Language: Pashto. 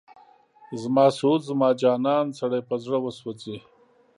زما سعود، زما جانان، سړی په زړه وسوځي